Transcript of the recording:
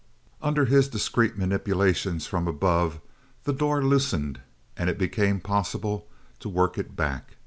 Under his discreet manipulations from above the door loosened and it became possible to work it back.